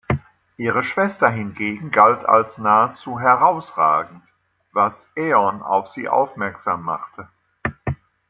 Ihre Schwester hingegen galt als nahezu herausragend, was Aeon auf sie aufmerksam machte.